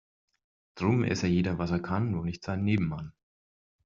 Drum esse jeder was er kann, nur nicht seinen Nebenmann.